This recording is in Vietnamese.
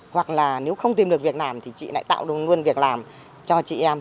hoặc là nếu không tìm được việc làm thì chị lại tạo luôn việc làm cho chị em